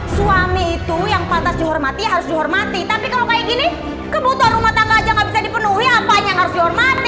suami itu yang pantas dihormati harus dihormati tapi kalau kayak gini kebutuhan rumah tangga aja gak bisa dipenuhi apa yang harus dihormati